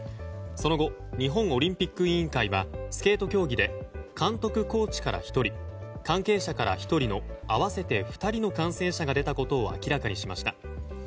その後日本オリンピック委員会はスケート競技で監督・コーチから１人関係者から１人の合わせて２人の感染者が出たことを明らかにしました。